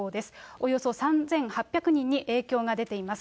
およそ３８００人に影響が出ています。